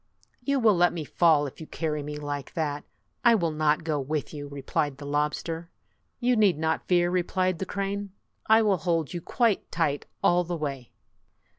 "You will let me fall if you carry me like that. I will not go with you !" replied the lobster. 37 "You need not fear," replied the crane; "I will hold you quite tight all the way."